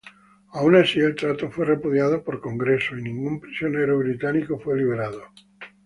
Aun así, el trato fue repudiado por Congreso, y ningún prisionero británicos fue liberado.